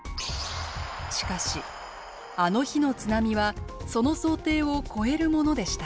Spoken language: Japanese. しかしあの日の津波はその想定を超えるものでした。